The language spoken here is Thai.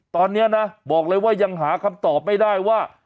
ตอนนี้นะบอกเลยว่ายังหาคำตอบไม่ได้ว่า